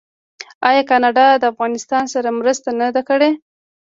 آیا کاناډا د افغانستان سره مرسته نه ده کړې؟